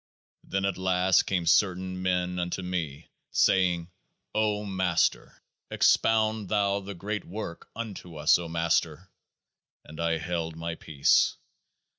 Then at last came certain men unto me, saying : O Master ! Expound thou THE GREAT WORK unto us, O Master ! And I held my peace.